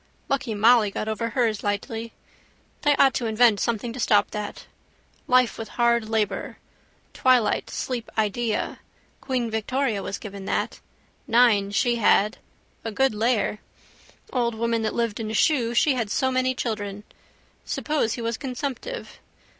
Lucky Molly got over hers lightly. They ought to invent something to stop that. Life with hard labour. Twilight sleep idea: queen Victoria was given that. Nine she had. A good layer. Old woman that lived in a shoe she had so many children. Suppose he was consumptive.